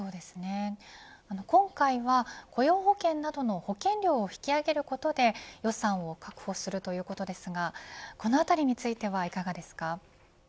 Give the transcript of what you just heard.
今回は保養雇用保険などの保険料を引き上げることで予算を確保するということですがこのあたりについてはいかがですか。